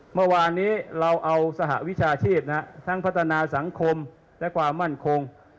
เมื่อวานนี้เราเอาสหวิชาชีพทั้งพัฒนาสังคมและความมั่นคง